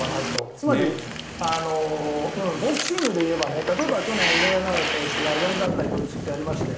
つまり、ボクシングでいえば例えば去年、井上尚弥選手が４団体統一ってありましたよ。